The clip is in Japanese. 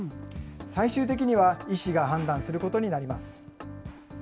最終的には医師が判断することになります。